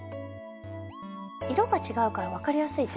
色が違うから分かりやすいですね。